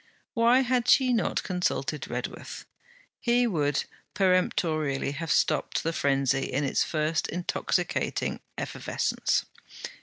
Why had she not consulted Redworth? He would peremptorily have stopped the frenzy in its first intoxicating effervescence.